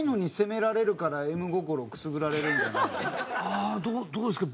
ああどうですかね？